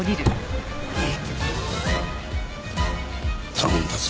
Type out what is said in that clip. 頼んだぞ